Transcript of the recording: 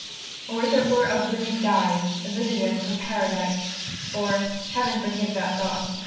Or if it were, in winged guise, A visitant from Paradise; For Heaven forgive that thought!